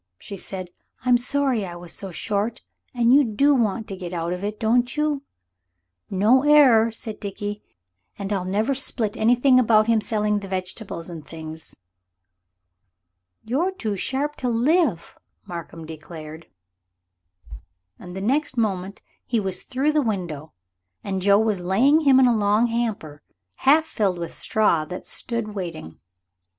she said. "I'm sorry I was so short. An' you do want to get out of it, don't you?" "No error," said Dickie; "an' I'll never split about him selling the vegetables and things." "You're too sharp to live," Markham declared; and next moment he was through the window, and Joe was laying him in a long hamper half filled with straw that stood waiting.